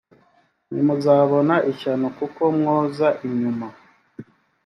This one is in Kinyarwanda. mwe muzabona ishyano kuko mwoza inyuma